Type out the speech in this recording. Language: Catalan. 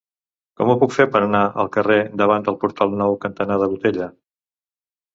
Com ho puc fer per anar al carrer Davant del Portal Nou cantonada Botella?